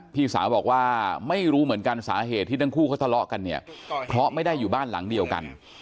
พี่สาวบอกว่าไม่รู้เหมือนกันสาเหตุที่ทั้งคู่เขาทะเลาะกันเนี่ยเพราะไม่ได้อยู่บ้านหลังเดียวกัน